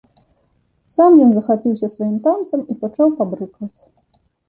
Сам ён захапіўся сваім танцам і пачаў пабрыкваць.